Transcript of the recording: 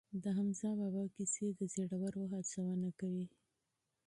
د حمزه بابا کیسې د زړورو هڅونه کوي.